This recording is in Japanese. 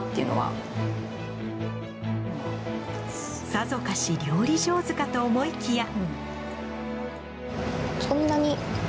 さぞかし料理上手かと思いきや。